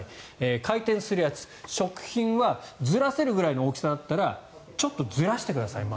回転するやつ、食品はずらせるくらいの大きさだったらちょっとずらしてください